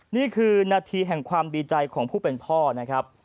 นี่คือนาทีแห่งความดีใจของผู้เป็นพ่อนะครับ